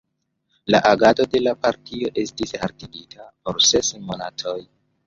La agado de la partio estis haltigita por ses monatoj.